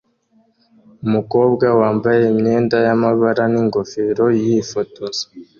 Umukobwa wambaye imyenda yamabara n'ingofero yifotoza